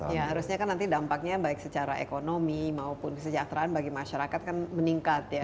ya harusnya kan nanti dampaknya baik secara ekonomi maupun kesejahteraan bagi masyarakat kan meningkat ya